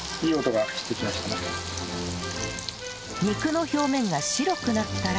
肉の表面が白くなったら